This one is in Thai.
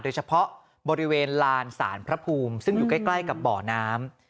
โดยเฉพาะบริเวณลานสารพระภูมิซึ่งอยู่ใกล้กับบ่อน้ำ